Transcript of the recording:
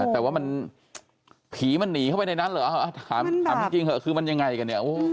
แต่ว่ามันผีมันหนีเข้าไปในนั้นเหรอถามจริงเถอะคือมันยังไงกันเนี่ย